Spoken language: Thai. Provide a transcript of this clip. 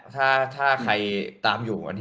ถ้าใครตามอยู่